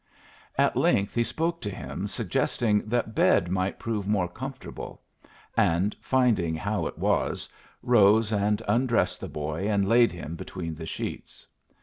At length he spoke to him, suggesting that bed might prove more comfortable; and, finding how it was, rose and undressed the boy and laid him between the sheets.